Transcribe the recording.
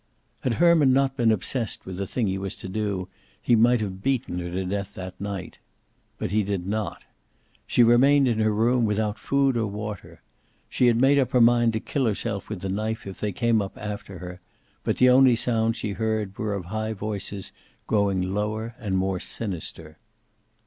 Had Herman not been obsessed with the thing he was to do, he might have beaten her to death that night. But he did not. She remained in her room, without food or water. She had made up her mind to kill herself with the knife if they came up after her, but the only sounds she heard were of high voices, growing lower and more sinister.